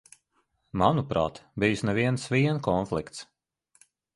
Manuprāt, bijis ne viens vien konflikts.